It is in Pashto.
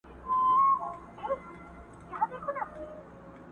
له حملې سره ملگری یې غړومبی سو.!